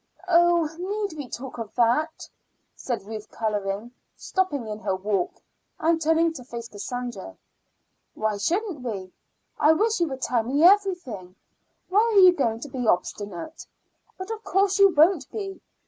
"Oh, need we talk of that?" said Ruth coloring, stopping in her walk, and turning to face Cassandra. "Why shouldn't we? I wish you would tell me everything. Why are you going to be so obstinate? But of course you won't be.